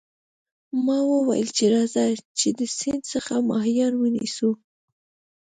ما وویل چې راځه چې د سیند څخه ماهیان ونیسو.